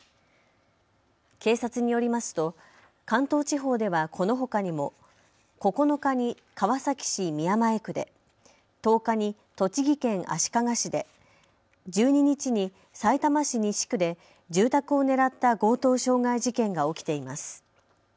警察によりますと関東地方ではこのほかにも９日に川崎市宮前区で、１０日に栃木県足利市で、１２日にさいたま市西区で住宅を狙った強盗傷害事件が起きています。